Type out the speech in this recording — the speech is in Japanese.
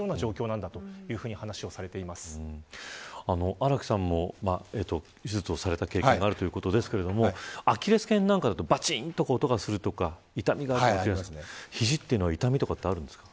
荒木さんも手術をされた経験があるということですがアキレス腱なんかだと、バチンと音がするとか痛みがあると言いますが肘というのは痛みがありますか。